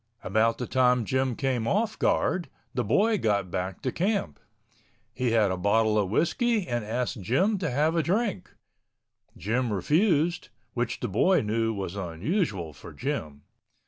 About the time Jim came off guard, the boy got back to camp. He had a bottle of whiskey and asked Jim to have a drink. Jim refused, which the boy knew was unusual for Jim.